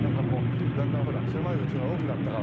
だんだんほら狭い家が多くなったから。